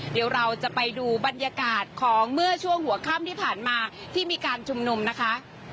เดี๋ยวเราจะไปดูบรรยากาศของเมื่อช่วงหัวค่ำที่ผ่านมาที่มีการชุมนุมนะคะ